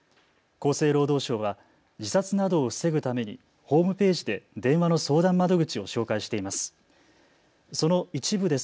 厚生労働省は自殺などを防ぐためにホームページで電話の相談窓口を紹介しています。